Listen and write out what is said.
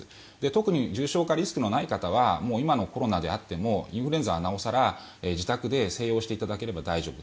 特に重症化リスクのない方は今のコロナであってもインフルエンザはなお更自宅で静養していただければ大丈夫。